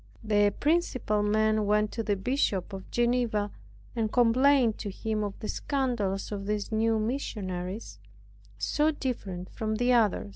The principal men went to the Bishop of Geneva, and complained to him of the scandals of these new missionaries, so different from the others.